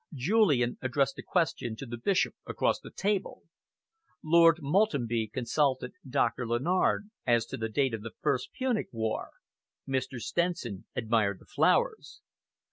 Julian addressed a question to the Bishop across the table. Lord Maltenby consulted Doctor Lennard as to the date of the first Punic War. Mr. Stenson admired the flowers.